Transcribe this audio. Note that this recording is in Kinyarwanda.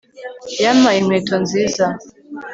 yampaye inkweto nziza